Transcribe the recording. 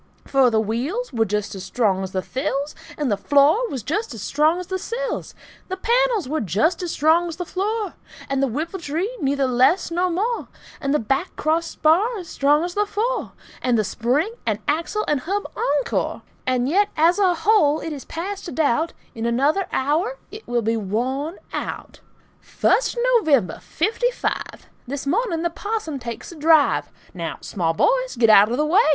For the wheels were just as strong as the thills, And the floor was just as strong as the sills, And the panels just as strong as the floor, And the whipple tree neither less nor more, And the back crossbar as strong as the fore, And the spring and axle and hub encore. And yet, as a whole, it is past a doubt In another hour it will be worn out! First of November, 'Fifty five! This morning the parson takes a drive. Now, small boys, get out of the way!